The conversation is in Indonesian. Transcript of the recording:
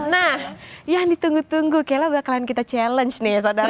nah yang ditunggu tunggu kaila bakalan kita challenge nih ya sadar